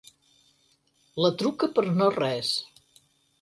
La truca per no res.